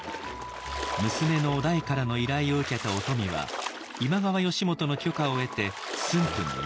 娘の於大からの依頼を受けた於富は今川義元の許可を得て駿府に移動。